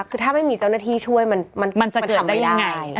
คือถ้าไม่มีเจ้าหน้าที่ช่วยมันจะทำได้ยังไง